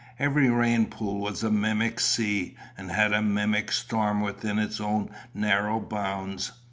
Every rain pool was a mimic sea, and had a mimic storm within its own narrow bounds.